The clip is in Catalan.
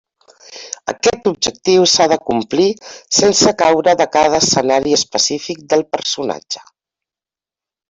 Aquest objectiu s'ha de complir sense caure de cada escenari específic del personatge.